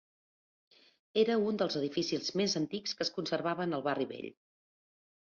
Era un dels edificis més antics que es conservaven al Barri Vell.